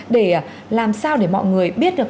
để làm sao để mọi người biết được